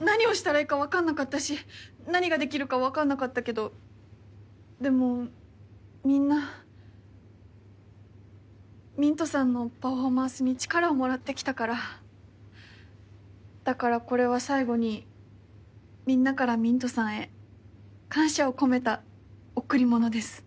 何をしたらいいか分かんなかったし何ができるか分かんなかったけどでもみんなミントさんのパフォーマンスに力をもらってきたからだからこれは最後にみんなからミントさんへ感謝を込めた贈り物です。